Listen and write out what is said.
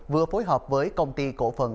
vừa phối hợp với công ty cổ phần